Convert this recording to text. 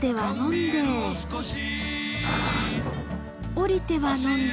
降りては呑んで。